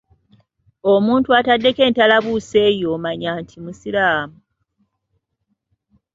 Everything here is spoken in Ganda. Omuntu ataddeko entalabuusi oyo omanya nti musiraamu.